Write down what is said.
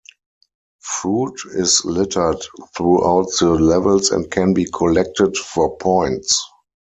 Fruit is littered throughout the levels and can be collected for points.